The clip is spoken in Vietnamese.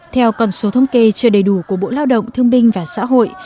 theo con số thống kê chưa đầy đủ của bộ lao động thương binh và xã hội